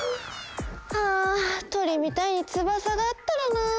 ああとりみたいにつばさがあったらなあ。